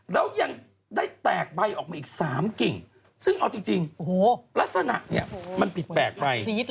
แล้วยังได้แตกใบออกมาอีก๓กิ่งซึ่งเอาจริงลักษณะเนี่ยมันผิดแปลกไป